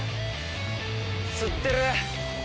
釣ってる！